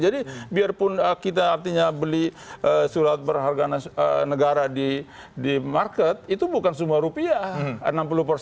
jadi biarpun kita artinya beli surat berharga negara di market itu bukan semua rupiah